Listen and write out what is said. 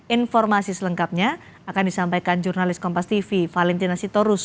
informasi selengkapnya akan disampaikan jurnalis kompas tv valentina sitorus